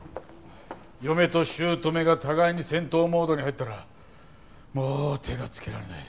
嫁と姑が互いに戦闘モードに入ったらもう手がつけられない。